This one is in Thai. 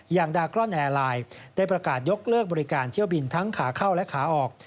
อย่างดากรอนแอร์ไลน์ได้ประกาศยกเลิกบริการเที่ยวบินทั้งขาเข้าและขาออก